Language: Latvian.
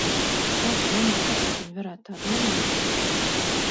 Kā tu domā, kāpēc viņi varētu tā domāt?